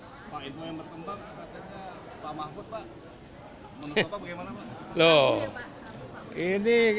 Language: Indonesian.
pak itu yang bertempat rasanya pak mahfud pak menurut pak bagaimana pak